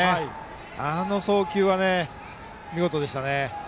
あの送球は見事でしたね。